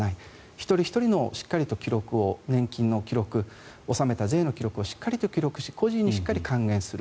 一人ひとりのしっかりと記録を年金の記録、納めた税の記録をしっかりと記録し個人にしっかり還元する。